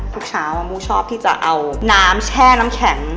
ทุกเช้ามูชอบที่จะเอาน้ำแช่น้ำแข็ง